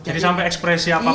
jadi sampai ekspresi apapun